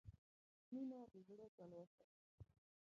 • مینه د زړه تلوسه ده.